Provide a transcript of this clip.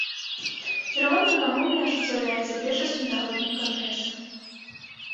Кіраванне камунай ажыццяўляецца першасным народным кангрэсам.